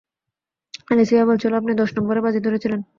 Alicia বলছিল আপনি দশ নম্বরে বাজি ধরেছিলেন।